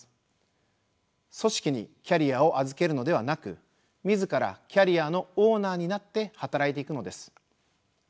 組織にキャリアを預けるのではなく自らキャリアのオーナーになって働いていくのです。